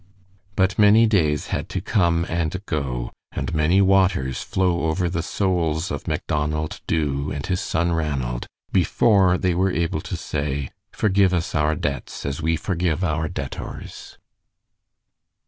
But many days had to come and go, and many waters flow over the souls of Macdonald Dubh and his son Ranald, before they were able to say, "Forgive us our debts as we forgive our debtors."